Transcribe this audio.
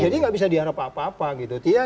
jadi tidak bisa diharapkan apa apa